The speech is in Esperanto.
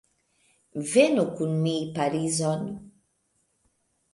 Venu kun mi Parizon.